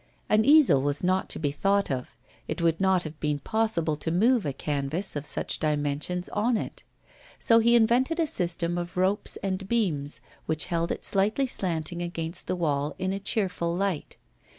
An easel was not to be thought of. It would not have been possible to move a canvas of such dimensions on it. So he invented a system of ropes and beams, which held it slightly slanting against the wall in a cheerful light.